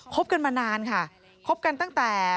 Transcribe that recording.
บกันมานานค่ะคบกันตั้งแต่